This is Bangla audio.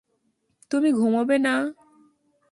তুমি ঘুমোবে না?